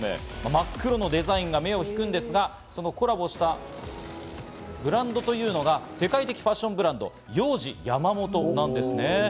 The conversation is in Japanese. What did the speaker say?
真っ黒のデザインが目を引くんですが、コラボしたブランドというのが世界的ファッションブランド、ヨウジヤマモトなんですね。